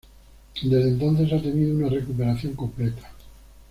Desde entonces ha tenido una recuperación completa.